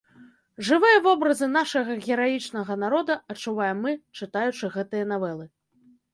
Жывыя вобразы нашага гераічнага народа адчуваем мы, чытаючы гэтыя навелы.